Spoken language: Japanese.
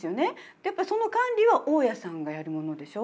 やっぱその管理は大家さんがやるものでしょ。